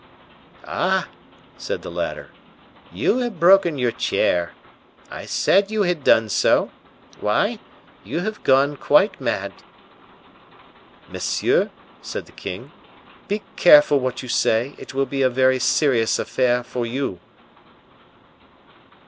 "Ah!" said the latter, "you have broken your chair. I said you had done so! Why, you have gone quite mad." "Monsieur," said the king, "be careful what you say; it will be a very serious affair for you."